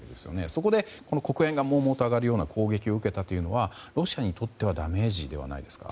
そこで、黒煙がもうもうと上がる攻撃を受けたというのはロシアにとってはダメージではないですか。